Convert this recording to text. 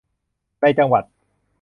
ในจังหวัด